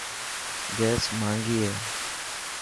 گيس ماهنگي هي.